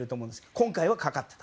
今回はかかっていた。